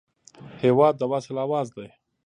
هېواد د وصل اواز دی.